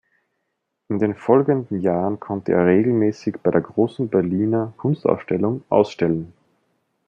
In den folgenden Jahren konnte er regelmäßig bei der Großen Berliner Kunstausstellung ausstellen.